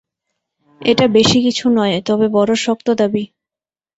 এটা বেশি কিছু নয়, তবু বড়ো শক্ত দাবি।